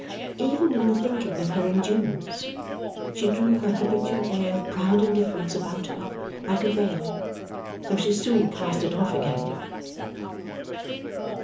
Even in the thinking of her endurance, she drew her habitual air of proud indifference about her like a veil, though she soon cast it off again.